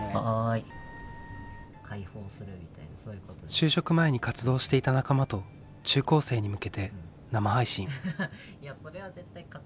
就職前に活動していた仲間と中高生に向けて生配信。